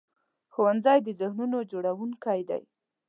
ښوونځی د ذهنونو جوړوونکی دی